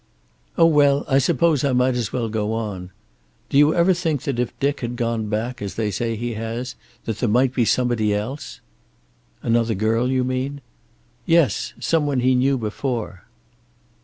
"Oh, well, I suppose I might as well go on. Do you ever think that if Dick had gone back, as they say he has, that there might be somebody else?" "Another girl, you mean?" "Yes. Some one he knew before."